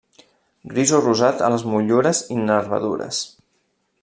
Gris o rosat a les motllures i nervadures.